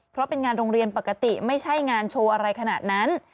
เพราะเป็นงานโรงเรียนปกติไม่ใช่งานโชว์อะไรขนาดนั้น